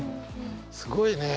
すごいね。